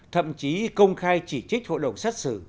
thậm chí công khai chỉ trích hội đồng xét xử